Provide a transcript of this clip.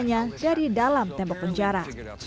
hanya dari dalam tembok penjara